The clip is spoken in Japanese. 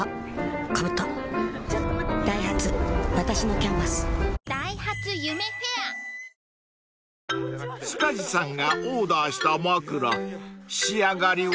ピンポーン［塚地さんがオーダーした枕仕上がりは？］